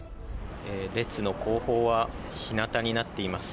列の後方は日なたになっています。